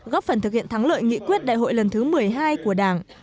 góp phần thực hiện thắng lợi nghị quyết đại hội lần thứ một mươi hai của đảng